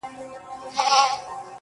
ګڼي خوږو خوږو يارانو بۀ مې خپه وهله,